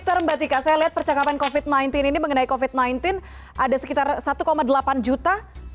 dokter mbak tika saya lihat percakapan covid sembilan belas ini mengenai covid sembilan belas ada sekitar satu delapan juta